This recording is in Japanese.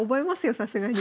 さすがに。